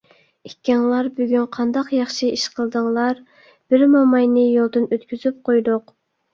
ئىككىڭلار بۈگۈن قانداق ياخشى ئىش قىلدىڭلار؟ بىر موماينى يولدىن ئۆتكۈزۈپ قويدۇق.